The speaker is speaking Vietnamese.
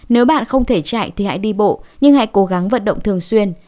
nếu bạn không thể chạy thì hãy đi bộ nhưng hãy cố gắng vận động thường xuyên